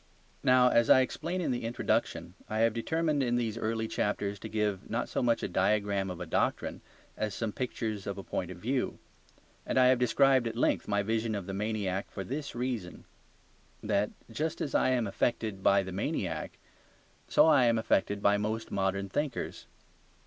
Now, as I explain in the introduction, I have determined in these early chapters to give not so much a diagram of a doctrine as some pictures of a point of view. And I have described at length my vision of the maniac for this reason: that just as I am affected by the maniac, so I am affected by most modern thinkers.